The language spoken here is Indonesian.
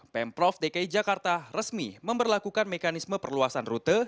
pemprov dki jakarta resmi memperlakukan mekanisme perluasan rute